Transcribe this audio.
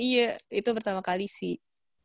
iya itu pertama kali sih